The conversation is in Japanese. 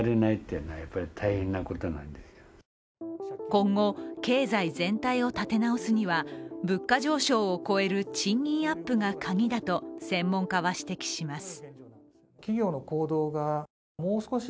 今後、経済全体を立て直すには物価上昇を超える賃金アップがカギだと専門家は指摘します。